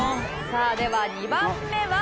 さあでは２番目は。